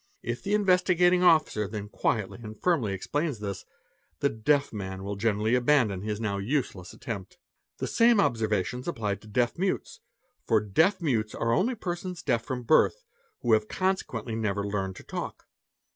If the Investi gating Officer then quietly and firmly explains this, the "deaf"? man wil generally abandon his now useless attempt. . The same observations apply to deaf mutes, for deaf mutes are all persons deaf from birth, who have consequently never learned to talk.